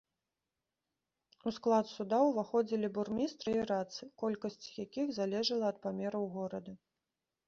У склад суда ўваходзілі бурмістры і радцы, колькасць якіх залежала ад памераў горада.